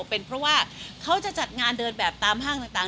เป็นเพราะว่าเขาจะจัดงานเดินแบบตามห้างต่าง